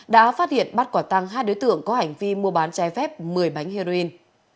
đã phát hiện bắt quả tăng hai đối tượng có hành vi mua bán chai phép một mươi bánh heroin